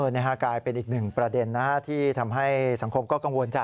นี่กลายเป็นอีกหนึ่งประเด็นที่ทำให้สังคมก็กังวลใจ